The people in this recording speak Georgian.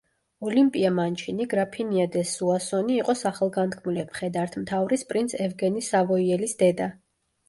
ოლიმპია მანჩინი, გრაფინია დე სუასონი იყო სახელგანთქმული მხედართმთავრის პრინც ევგენი სავოიელის დედა.